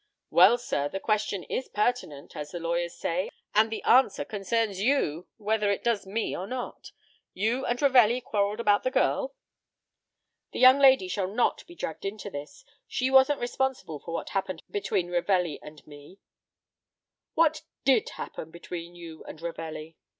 "Well, sir, the question is pertinent as the lawyers say and the answer concerns you, whether it does me or not. You and Ravelli quarreled about the girl?" "The young lady shall not be dragged into this. She wasn't responsible for what happened between Ravelli and me." "What did happen between you and Ravelli?"